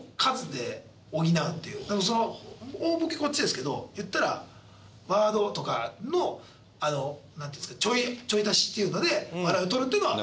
なのでその大ボケこっちですけどいったらワードとかのなんていうんですかちょい足しっていうので笑いをとるっていうのは。